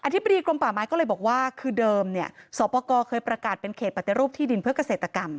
ธิบดีกรมป่าไม้ก็เลยบอกว่าคือเดิมเนี่ยสอบประกอบเคยประกาศเป็นเขตปฏิรูปที่ดินเพื่อเกษตรกรรม